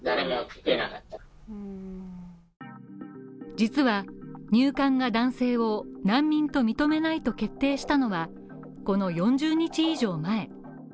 実は、入管が男性を難民と認めないと決定したのは、この４０日以上前。